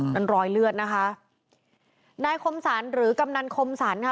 มันรอยเลือดนะคะนายคมสรรหรือกำนันคมสรรค่ะ